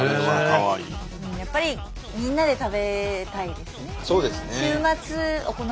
やっぱりみんなで食べたいですね。